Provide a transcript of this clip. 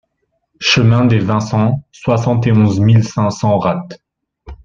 Chemin des Vincents, soixante et onze mille cinq cents Ratte